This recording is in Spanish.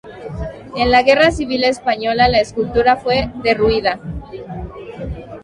En la Guerra Civil Española la escultura fue derruida.